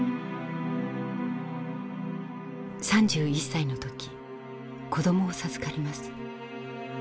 ３１歳の時子供を授かります。